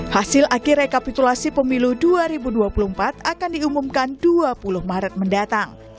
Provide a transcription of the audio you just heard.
hasil akhir rekapitulasi pemilu dua ribu dua puluh empat akan diumumkan dua puluh maret mendatang